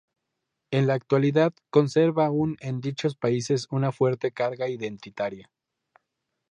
En la actualidad conserva aún en dichos países una fuerte carga identitaria.